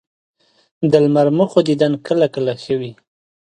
د لمر مخو دیدن کله کله ښه وي